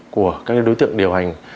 của các đối tượng điều hành